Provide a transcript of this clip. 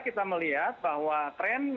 kita melihat bahwa tren